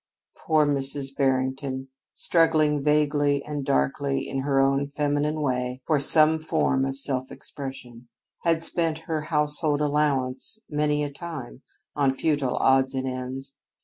Poor Mrs. Barrington, struggling vaguely and darkly in her own feminine way for some form of self expression, had spent her household allowance many a time on futile odds and ends.